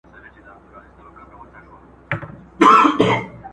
ثروت څنګه تمدن ته وده ورکوي؟